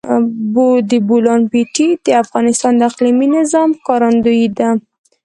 د بولان پټي د افغانستان د اقلیمي نظام ښکارندوی ده.